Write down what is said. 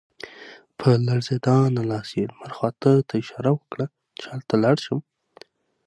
په لړزانده لاس یې لمر خاته ته اشاره وکړه چې هلته لاړ شم.